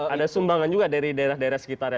ada sumbangan juga dari daerah daerah sekitar ya